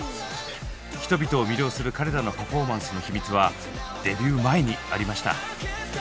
人々を魅了する彼らのパフォーマンスの秘密はデビュー前にありました。